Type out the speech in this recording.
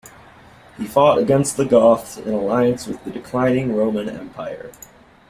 He fought against the Goths in alliance with the declining Roman Empire.